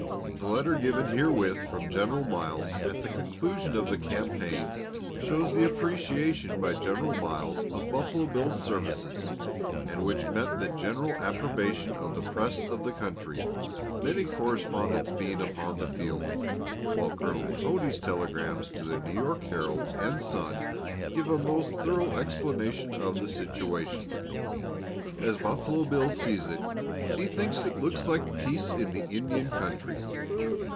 The letter given herewith from General Miles, at the conclusion of the campaign, shows the appreciation by General Miles of Buffalo Bill's services, and which met the general approbation of the press of the country, many correspondents being upon the field; while Colonel Cody's telegrams to the New York Herald and Sun give a most thorough explanation of the situation. AS BUFFALO BILL SEES IT. HE THINKS IT LOOKS LIKE PEACE IN THE INDIAN COUNTRY.